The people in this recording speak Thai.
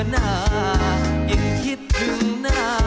เจอหน้ายิ่งคิดถึงหน้า